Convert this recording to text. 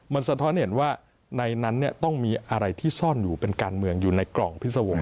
มันสะท้อนเห็นว่าในนั้นต้องมีอะไรที่ซ่อนอยู่เป็นการเมืองอยู่ในกล่องพิษวงศ์